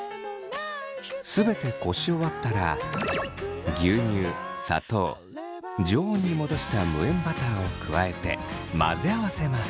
全てこし終わったら牛乳砂糖常温に戻した無塩バターを加えて混ぜ合わせます。